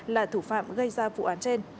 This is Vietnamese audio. là thủ phạm gây ra vụ án trên